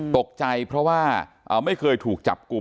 ตกใจเพราะว่าไม่เคยถูกจับกลุ่ม